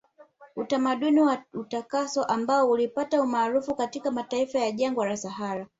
Utamaduni wa utakaso ambao ulipata umaarufu katika mataifa ya jangwa la sahara